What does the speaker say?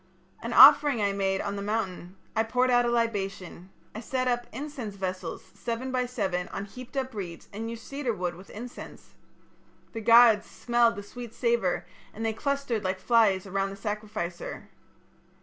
"An offering I made on the mountain. I poured out a libation. I set up incense vessels seven by seven on heaped up reeds and used cedar wood with incense. The gods smelt the sweet savour, and they clustered like flies about the sacrificer.